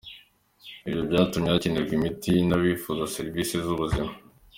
Ibyo byatumye hakenerwa imiti n’abifuza serivisi z’ubuzima.